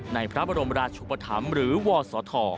ในพระบรมราชุปธรรมหรือวศธ